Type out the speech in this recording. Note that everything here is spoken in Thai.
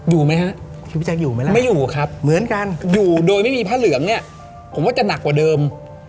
อยู่ไหมฮะไม่อยู่อ่ะครับอยู่โดยไม่มีพระเหลืองเนี่ยผมว่าจะหนักกว่าเดิม